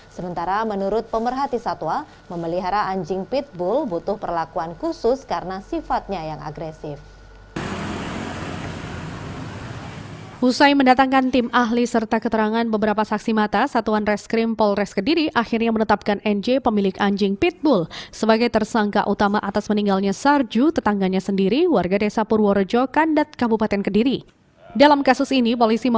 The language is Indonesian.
sementara menurut pemerhati satwa memelihara anjing pitbull butuh perlakuan khusus karena sifatnya yang agresif